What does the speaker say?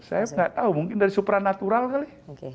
saya nggak tahu mungkin dari supranatural kali